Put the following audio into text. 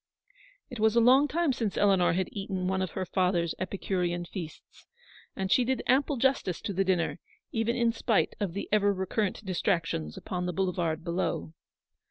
It was a long time since Eleanor had eaten one of her father's epicurean feasts, and she did ample justice to the dinner, even in spite of the ever recurrent distractions upon the boulevard below.